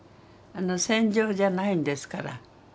戦場じゃないんですから。